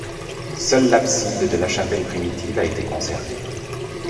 Seule l'abside de la chapelle primitive a été conservée.